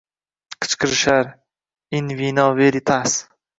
Qichqirishar: “In vino veritas!”